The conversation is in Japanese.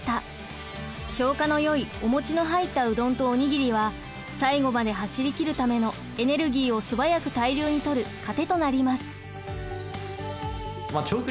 消化のよいお餅の入ったうどんとお握りは最後まで走り切るためのエネルギーを素早く大量にとる糧となります。